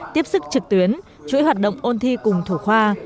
tiếp sức trực tuyến chuỗi hoạt động ôn thi cùng thủ khoa